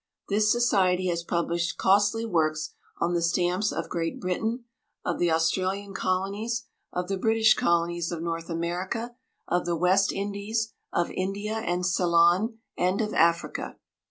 This society has published costly works on the stamps of Great Britain, of the Australian Colonies, of the British Colonies of North America, of the West Indies, of India and Ceylon, and of Africa.